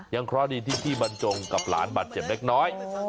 เพราะดีที่พี่บรรจงกับหลานบาดเจ็บเล็กน้อย